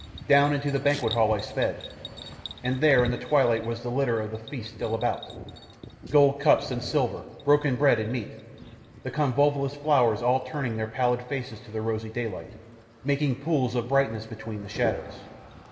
Down into the banquethall I sped, and there in the twilight was the litter of the feast still about gold cups and silver, broken bread and meat, the convolvulus flowers all turning their pallid faces to the rosy daylight, making pools of brightness between the shadows.